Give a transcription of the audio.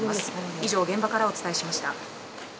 以上、現場からお伝えしました。